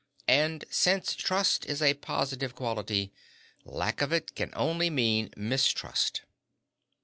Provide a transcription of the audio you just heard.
And since trust is a positive quality, lack of it can only mean mistrust.